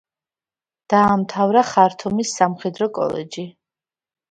დაამთავრა ხართუმის სამხედრო კოლეჯი.